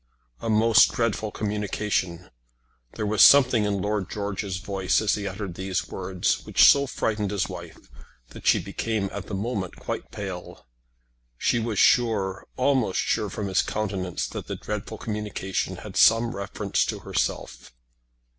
"A most dreadful communication!" There was something in Lord George's voice as he uttered these words which so frightened his wife that she became at the moment quite pale. She was sure, almost sure from his countenance that the dreadful communication had some reference to herself.